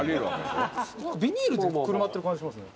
「ビニールでくるまってる感じしますね」